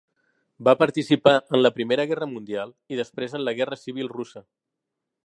Va participar en la Primera Guerra mundial i després en la Guerra Civil russa.